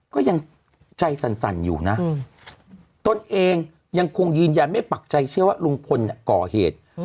ก็ยังใจสั่นอยู่นะตนเองยังคงยืนยันไม่ปักใจเชื่อว่าลุงพลก่อเหตุ